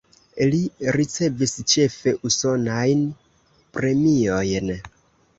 Li ricevis ĉefe usonajn premiojn.